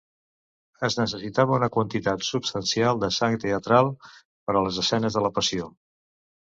Es necessitava una quantitat substancial de sang teatral per a les escenes de la Passió.